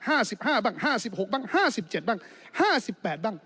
ห้าสิบห้าบ้างห้าสิบหกบ้างห้าสิบเจ็ดบ้างห้าสิบแปดบ้าง